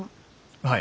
はい。